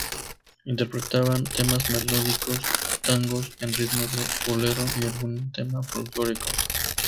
Interpretaban temas melódicos, tangos en ritmo de bolero y algún tema folklórico.